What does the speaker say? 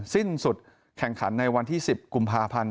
สิ้นสุดแข่งขันในวันที่๑๐กุมภาพันธ์